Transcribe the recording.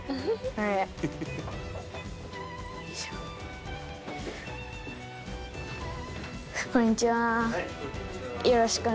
はいこんにちは。